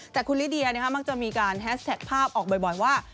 แต่คุณลิเดียมักจะมีการแฮสแท็กภาพออกบ่อยว่า